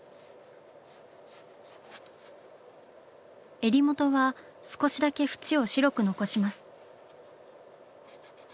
襟元は少しだけ縁を白く残します。